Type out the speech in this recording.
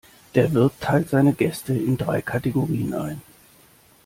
Der Wirt teilt seine Gäste in drei Kategorien ein.